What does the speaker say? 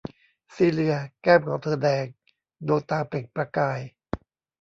ซีเลีย แก้มของเธอแดง ดวงตาเปล่งประกาย